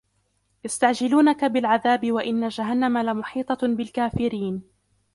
يَسْتَعْجِلُونَكَ بِالْعَذَابِ وَإِنَّ جَهَنَّمَ لَمُحِيطَةٌ بِالْكَافِرِينَ